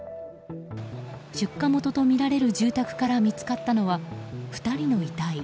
出火元とみられる住宅から見つかったのは、２人の遺体。